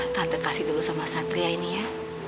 tante kasih dulu sama satria ini ya